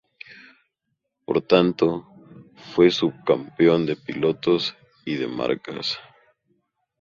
Por tanto, fue subcampeón de pilotos y de marcas.